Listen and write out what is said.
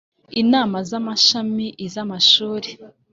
Inama z amashami iz amashuri